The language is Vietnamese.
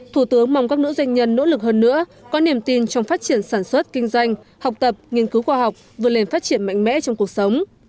thủ tướng mong các nữ doanh nhân nỗ lực hơn nữa có niềm tin trong phát triển sản xuất kinh doanh học tập nghiên cứu khoa học vươn lên phát triển mạnh mẽ trong cuộc sống